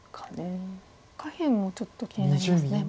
下辺もちょっと気になりますね。